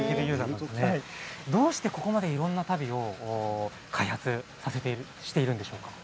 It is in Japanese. どうしてここまでいろいろな足袋を開発しているんでしょうか。